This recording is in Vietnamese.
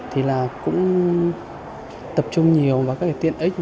thì là cũng tập trung nhiều vào các cái tiện ích